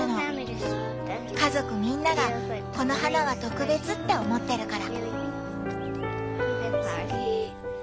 家族みんながこの花は特別って思ってるから。